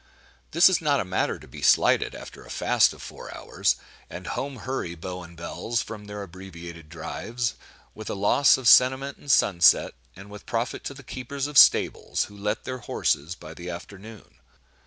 This is not a matter to be slighted after a fast of four hours; and home hurry beaux and belles from their abbreviated drives, with a loss of sentiment and sunset, and with profit to the keepers of stables, who let their horses "by the afternoon."